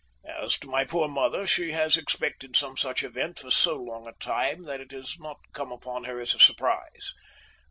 As to my poor mother, she has expected some such event for so long a time that it has not come upon her as a surprise.